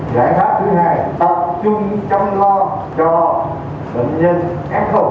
giải pháp thứ hai tập trung chăm lo cho bệnh nhân